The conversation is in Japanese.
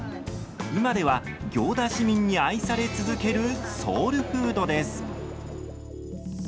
今では行田市民に愛され続けるソウルフードです。